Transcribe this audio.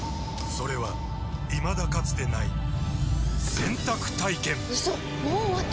それはいまだかつてない洗濯体験‼うそっ！